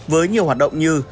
với nhiều hoạt động như